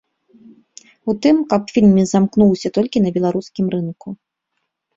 У тым, каб фільм не замкнуўся толькі на беларускім рынку.